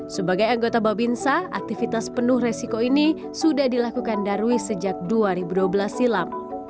sebagai anggota babinsa aktivitas penuh resiko ini sudah dilakukan darwi sejak dua ribu dua belas silam